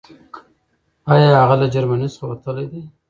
آيا هغه له جرمني څخه وتلی دی؟